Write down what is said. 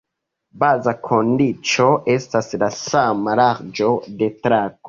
Baza kondiĉo estas la sama larĝo de trako.